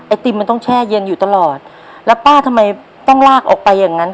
ติมมันต้องแช่เย็นอยู่ตลอดแล้วป้าทำไมต้องลากออกไปอย่างงั้น